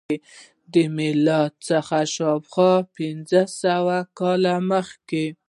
دا له میلاد څخه شاوخوا پنځه سوه کاله مخکې وه